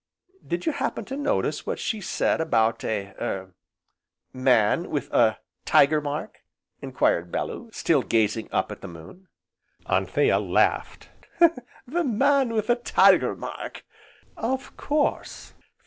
"Did you happen to notice what she said about a er Man with, a Tiger Mark?" enquired Bellew, still gazing up at the moon. Anthea laughed: "The Man with the Tiger Mark, of course!